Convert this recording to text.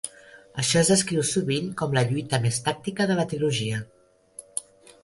Això es descriu sovint com la lluita més tàctica de la trilogia.